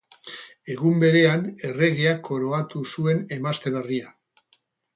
Egun berean erregeak koroatu zuen emazte berria.